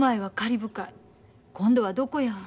今度はどこや？